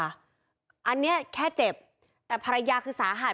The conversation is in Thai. อันนี้แค่เจ็บแต่ภรรยาคือสาหัส